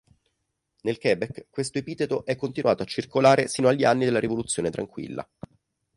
Nel Quebec, questo epiteto è continuato a circolare sino agli anni della Rivoluzione tranquilla.